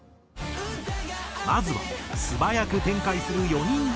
まずは素早く展開する４人の構成。